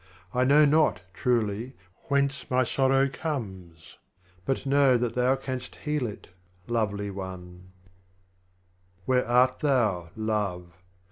I know not, truly, whence my Sorrow comes, But know that thou canst heal it. Lovely One, 57. Where art thou. Love